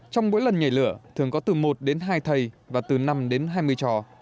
trong mỗi lần nhảy lửa thường có từ một đến hai thầy và từ năm đến hai mươi trò